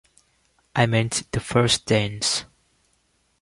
I meant the first dance.